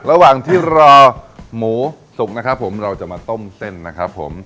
ระหว่างที่รอหมูสุกนะครับผมเราจะมาต้มเส้นนะครับผม